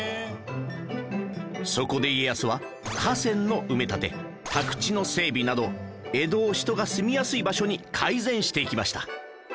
そこで家康は河川の埋め立て宅地の整備など江戸を人が住みやすい場所に改善していきました